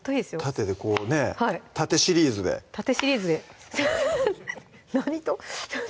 縦でこうね縦シリーズで縦シリーズで何と？